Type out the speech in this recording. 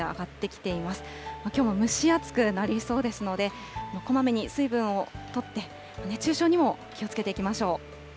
きょうは蒸し暑くなりそうですので、こまめに水分をとって、熱中症にも気をつけていきましょう。